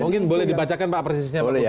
mungkin boleh dibacakan pak persisnya pak